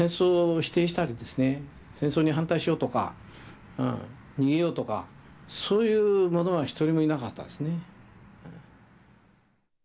戦争に反対しようとか逃げようとかそういう者は一人もいなかったですね。